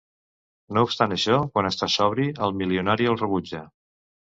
No obstant això, quan està sobri, el milionari el rebutja.